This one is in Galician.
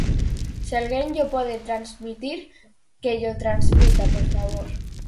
Se alguén llo pode transmitir, que llo transmita, por favor.